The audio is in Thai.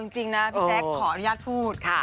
เอาจริงน่ะพี่แซ็คขออนุญาตพูดค่ะ